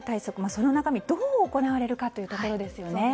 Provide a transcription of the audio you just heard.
その中身はどう行われるかということですよね。